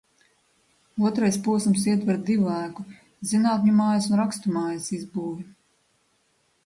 Otrais posms ietver divu ēku – Zinātņu mājas un Rakstu mājas – izbūvi.